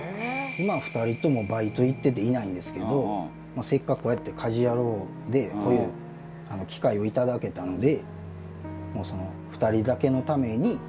今は２人ともバイト行ってていないんですけどせっかくこうやって『家事ヤロウ！！！』でこういう機会をいただけたので。